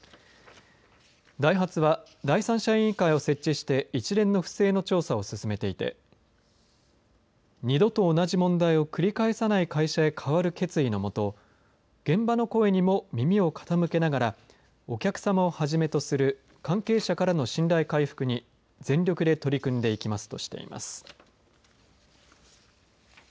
ダイハツは第三者委員会を設置して一連の不正の調査を進めていて二度と同じ問題を繰り返さない会社へ変わる決意のもと現場の声にも耳を傾けながらお客様をはじめとする関係者からの信頼回復に全力で取り組んでいきますとしています。